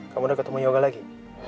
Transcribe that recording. kamu udah ketemu yoga lagi